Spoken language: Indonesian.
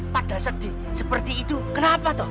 pada sedih seperti itu kenapa tuh